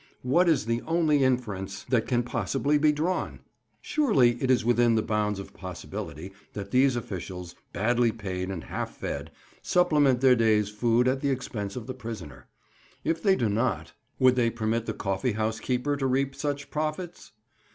What is the only inference that can possibly be drawn? Surely it is within the bounds of possibility that these officials, badly paid and half fed, supplement their day's food at the expense of the prisoner; if they do not, would they permit the coffee house keeper to reap such profits?